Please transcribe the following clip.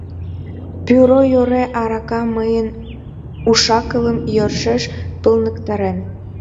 Пӱрӧ йӧре арака мыйын уш-акылым йӧршеш пылныктарен.